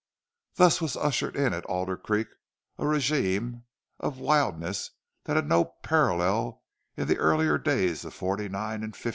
Thus was ushered in at Alder Creek a regime of wildness that had no parallel in the earlier days of '49 and '51.